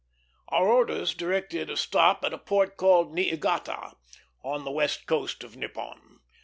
Our orders directed a stop at a port called Niigata, on the west coast of Nippon.